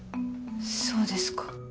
そうですか。